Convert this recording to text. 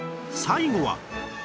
最後は